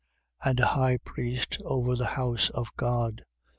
And a high priest over the house of God: 10:22.